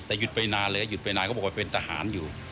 แต่หยุดไปนานเลยหยุดไปนานเขาบอกว่าเป็นทหารอยู่